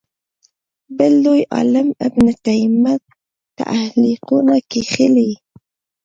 بل لوی عالم ابن تیمیه تعلیقونه کښلي